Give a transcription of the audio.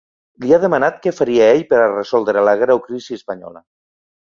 Li ha demanat què faria ell per a resoldre la greu crisi espanyola.